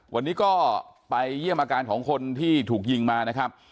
วันนี้ก็ไปเยี่ยมอาการของคนที่ถูกยิงมานะครับ